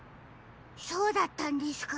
そうだったんですか？